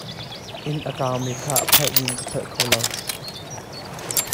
Inn a kang mi kha a phalh in kan phal kho lo.